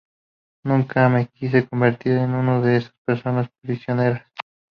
Nunca me quise convertir en uno de esas personas prisioneras.